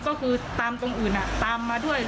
ก็คือตามตรงอื่นตามมาด้วย